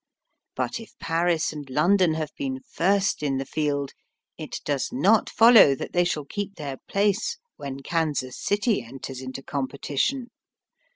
But if Paris and London have been first in the field, it does not follow that they shall keep their place when Kansas City enters into competition.